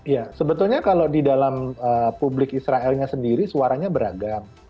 ya sebetulnya kalau di dalam publik israelnya sendiri suaranya beragam